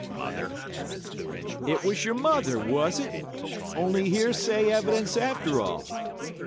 "'Mother.' "'It was your mother, was it? Only hearsay evidence after all.